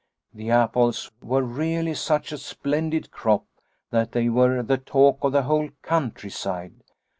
The apples were really such a splendid crop that they were the talk of the whole country side.